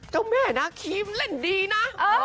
เจ้าแม่นาคีมันเล่นดีนะ